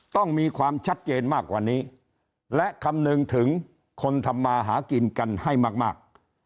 ต้องมีความชัดเจนมากกว่านี้และคำนึงถึงคนทำมาหากินกันให้มาก